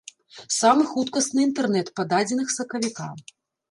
Самы хуткасны інтэрнэт па дадзеных сакавіка.